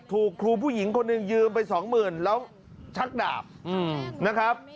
ถูกครูผู้หญิงคนนึงยืมไป๒๐๐๐๐แล้วชักดาบนะครับ